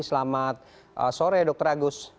selamat sore dr agus